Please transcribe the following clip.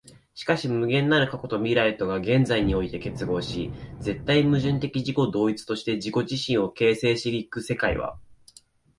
しかし無限なる過去と未来とが現在において結合し、絶対矛盾的自己同一として自己自身を形成し行く世界は、